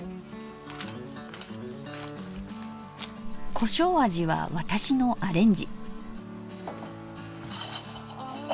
こしょう味は私のアレンジ。